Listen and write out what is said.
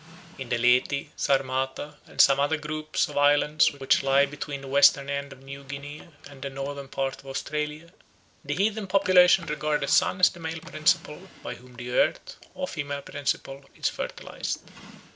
In the Leti, Sarmata, and some other groups of islands which lie between the western end of New Guinea and the northern part of Australia, the heathen population regard the sun as the male principle by whom the earth or female prínciple is fertilised.